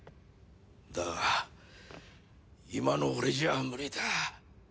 だが今の俺じゃ無理だ。